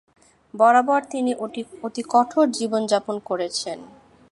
বরাবর তিনি অতি কঠোর জীবনযাপন করেছেন।